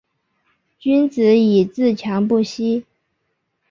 君子以自强不息